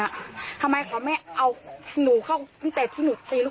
ไม่พี่ท่าเขาจะเอานูกเข้าคู่กริ่น